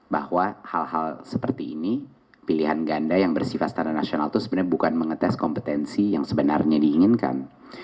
bahwa hal hal seperti ini pilihan ganda yang bersifat standar nasional itu sebenarnya bukan mengetes kompetensi yang sebenarnya diinginkan